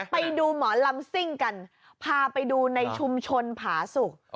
ไปดูหมอลำซิ่งกันพาไปดูในชุมชนผาสุก